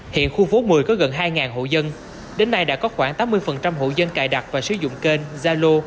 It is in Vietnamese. hiện khu phố một mươi có gần hai hộ dân đến nay đã có khoảng tám mươi hộ dân cài đặt và sử dụng kênh zalo